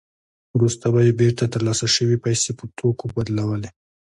وروسته به یې بېرته ترلاسه شوې پیسې په توکو بدلولې